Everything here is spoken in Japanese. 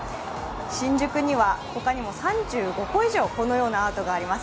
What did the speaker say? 新宿には他にも３５個以上、このようなアートがあります。